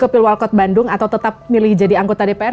pilwalkot bandung atau tetap milih jadi anggota dpr